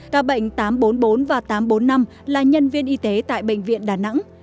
ca bệnh tám trăm bốn mươi bốn và tám trăm bốn mươi năm là nhân viên y tế tại bệnh viện đà nẵng